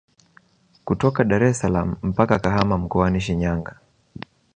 Kutoka Daressalaam mpaka Kahama mkoani Shinyanga